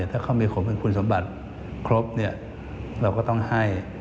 ถ้าเค้ามีโขมคุณคุณสมบัติครบเราก็ต้องให้